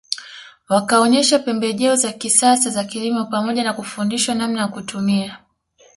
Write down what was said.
Wakaonyesha pembejeo za kisasa za kilimo pamoja na kufundishwa namna ya kutumia